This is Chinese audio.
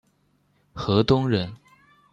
河东人。